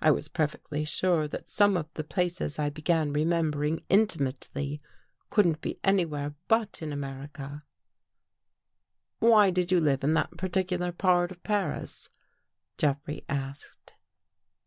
I was perfectly sure that some of the places I began remembering intimately, couldn't be anywhere but in America." 298 THE WATCHERS AND THE WATCHED " Why did you live in that particular part of Paris? " Jeffrey asked.